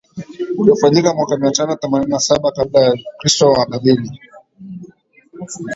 Uliofanyika mwaka mia tano themanini na saba kabla ya kristo na Wababeli